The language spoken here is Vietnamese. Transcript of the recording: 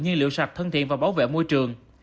nhiên liệu sạch thân thiện và bảo vệ môi trường